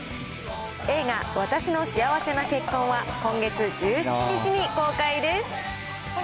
映画、わたしの幸せな結婚は、今月１７日に公開です。